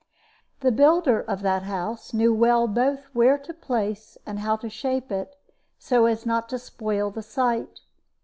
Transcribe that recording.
The builder of that house knew well both where to place and how to shape it, so as not to spoil the site.